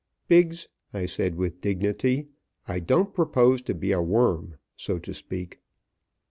"Biggs," I said, with dignity, "I don't propose to be a worm, so to speak."